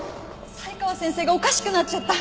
才川先生がおかしくなっちゃった！